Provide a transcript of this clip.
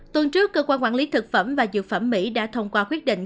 tuần trước cơ quan quản lý thực phẩm và dược phẩm mỹ đã thông qua quyết định